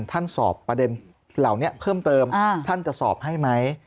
ท่านสอบประเด็นเหล่านี้เพิ่มเติมท่านจะสอบให้ไหม